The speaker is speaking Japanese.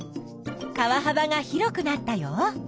川はばが広くなったよ。